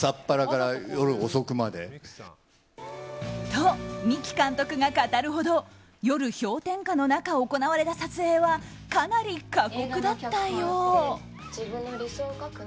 と、三木監督が語るほど夜、氷点下の中行われた撮影はかなり過酷だったよう。